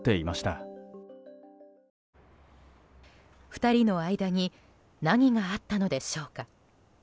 ２人の間に何があったのでしょうか？